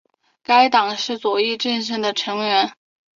该党是左翼阵线的成员。